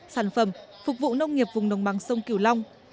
sản phẩm phục vụ nông nghiệp vùng đồng bằng sông kiều long